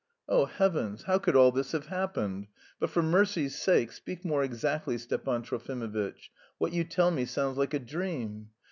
"Oh, heavens! how could all this have happened? But for mercy's sake, speak more exactly, Stepan Trofimovitch. What you tell me sounds like a dream."